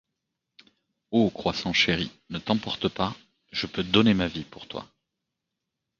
Ô croissant chéri, ne t'emporte pas, je peux donner ma vie pour toi.